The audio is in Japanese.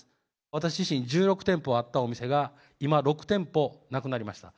私自身、１６店舗あったお店が、今６店舗なくなりました。